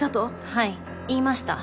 はい言いました。